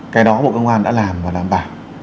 cái đó bộ công an đã làm và đảm bảo